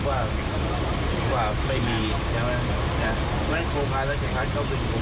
เขาก็ตรวจสอบไม่ได้บอกว่าคนไหนผิดคนไหนไม่ถูก